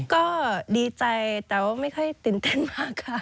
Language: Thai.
ก็ดีใจแต่ว่าไม่ค่อยตื่นเต้นมากค่ะ